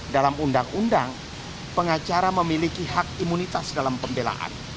dalam undang undang pengacara memiliki hak imunitas dalam pembelaan